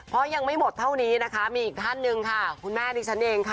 เพราะยังไม่หมดเท่านี้นะคะมีอีกท่านหนึ่งค่ะคุณแม่ดิฉันเองค่ะ